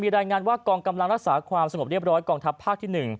มีรายงานว่ากรรมรัศความสงบเรียบร้อยกรรมทัพภาคที่๑